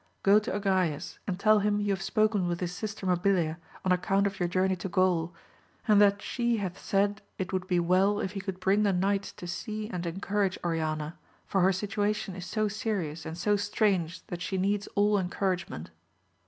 Go to Agrayes, and teU him you have spoken with his sister Mabilia on account of your journey to Gaul, and that she hath said it would be well if he could bring the knights to see and encourage Ori ana, for her situation is so serious and so strange that she needs all encouragement.